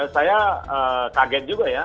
saya kaget juga ya